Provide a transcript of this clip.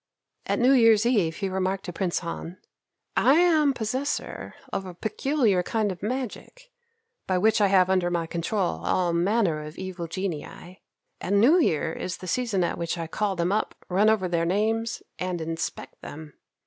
At New Year's Eve he remarked to Prince Han, "I am possessor of a peculiar kind of magic, by which I have under my control all manner of evil genii, and New Year is the season at which I call them up, run over their names, and inspect them.